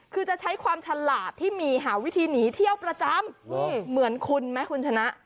คือจะใช้ความฉลาดที่มีหาวิธีหนีเที่ยวประจำเหมือนคุณไหมคุณชนะ